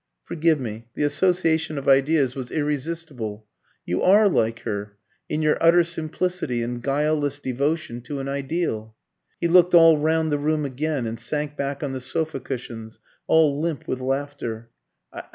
"Forgive me; the association of ideas was irresistible. You are like her in your utter simplicity and guileless devotion to an ideal." He looked all round the room again, and sank back on the sofa cushions all limp with laughter.